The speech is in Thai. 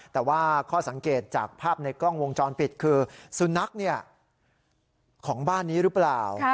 แต่ว่าข้อสังเกตจากภาพในกล้องวงจรปิดคือสุนัขของบ้านนี้หรือเปล่า